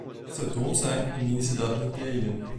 Het zou dom zijn indien ze dat niet deden.